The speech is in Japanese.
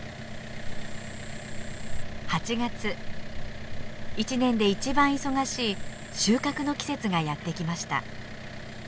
８月一年で一番忙しい収穫の季節がやって来ました。